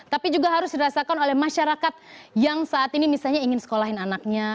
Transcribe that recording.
tapi juga harus dirasakan oleh masyarakat yang saat ini misalnya ingin sekolahin anaknya